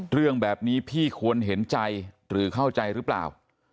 เรื่องแบบนี้พี่ควรเห็นใจหรือเข้าใจหรือเปล่า